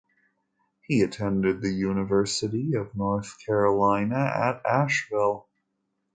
He attended the University of North Carolina at Asheville.